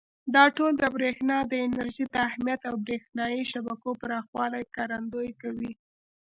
دا ټول د برېښنا د انرژۍ د اهمیت او برېښنایي شبکو پراخوالي ښکارندويي کوي.